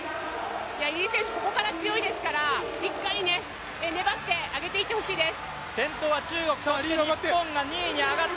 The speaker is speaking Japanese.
イ選手、ここから強いですから、しっかり粘って上げていってほしいです。